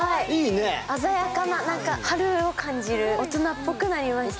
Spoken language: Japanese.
鮮やかな春を感じる、大人っぽくなりました。